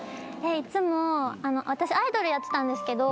いつも私アイドルやってたんですけど